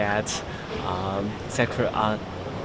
jadi saya akan